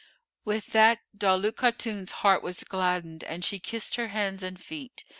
With that Daulat Khatun's heart was gladdened and she kissed her hands and feet.